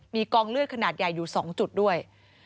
มีกองเลือดขนาดใหญ่อยู่๒จุดด้วย